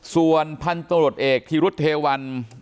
ส่วนพันธุ์ตำรวจเอกธีรุธเทวัน